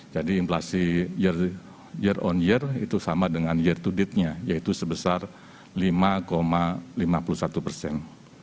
jadi inflasi year on year itu sama dengan year to date nya yaitu sebesar lima lima puluh satu persen